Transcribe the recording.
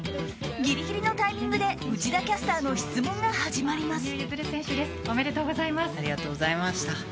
ギリギリのタイミングで内田キャスターの質問が始まります。